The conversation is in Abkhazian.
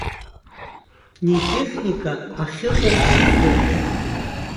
Нетехника ахьыҟоу сыздыруам.